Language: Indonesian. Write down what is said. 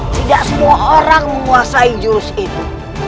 tidak semua orang menguasai jurus itu